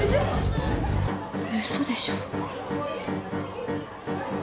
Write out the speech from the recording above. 嘘でしょ。